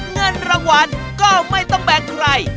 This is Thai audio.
เงินรางวัลก็ไม่ต้องแบ่งใคร